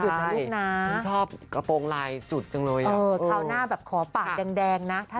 แล้วก็เห็นไหมเปลี่ยนมาใส่กระโปรกแล้วนะคะ